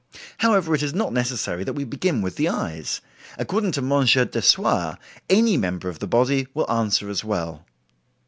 However, it is not necessary that we begin with the eyes. According to M. Dessoir, any member of the body will answer as well."